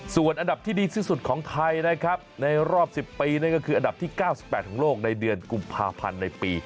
ส่วนอันดับที่ดีที่สุดของไทยนะครับในรอบ๑๐ปีนั่นก็คืออันดับที่๙๘ของโลกในเดือนกุมภาพันธ์ในปี